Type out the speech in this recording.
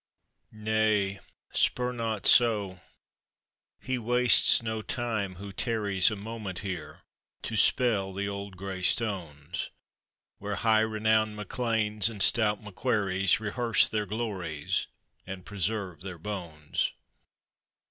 Nay, spur not so ! he wastes no time who tarries A moment here to spell the old grey stone.s, Where high renowned MacLeans and stout MacQuarries Rehearse their glories, and preserve tbeir bones.